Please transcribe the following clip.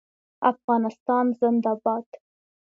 افغانستان زنده باد.